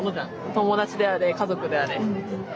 友達であれ家族であれ。